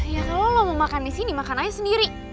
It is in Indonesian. ya kalo lo mau makan disini makan aja sendiri